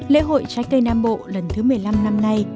lễ hội trái cây nam bộ lần thứ một mươi năm năm nay